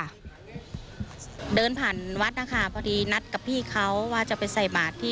เรามาทำจุดนี้ก็คือผูกพันธุ์มากค่ะ